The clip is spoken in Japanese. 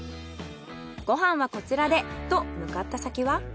ご飯はこちらでと向かった先は。